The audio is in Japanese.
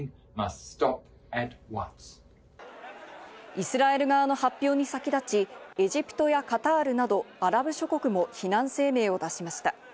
イスラエル側の発表に先立ち、エジプトやカタールなど、アラブ諸国も非難声明を出しました。